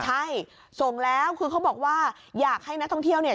ใช่ส่งแล้วคือเขาบอกว่าอยากให้นักท่องเที่ยวเนี่ย